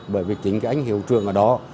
bởi vì chính cái anh hiệu trưởng ở đó